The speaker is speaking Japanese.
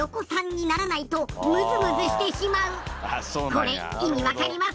これ意味分かります？